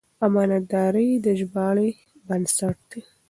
امانتداري د ژباړې بنسټ دی.